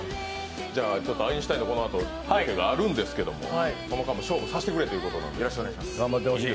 アインシュタインのがこのあとあるんですけどこの間も勝負させてくれということなので。